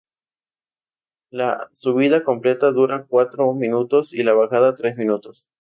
La subida completa dura cuatro minutos, y la bajada, tres minutos.